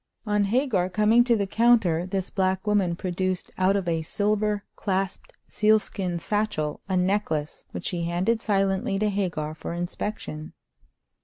On Hagar coming to the counter this black woman produced out of a silver clasped sealskin satchel a necklace, which she handed silently to Hagar for inspection.